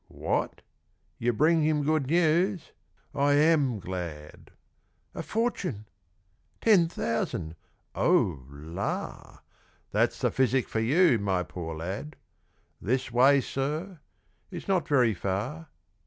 What! you bring him good news; I am glad! A fortune! ten thousand! Oh, la! That's the physic for you, my poor lad. This way, sir; it's not very far.